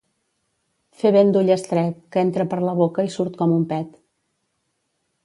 Fer vent d'Ullastret, que entra per la boca i surt com un pet.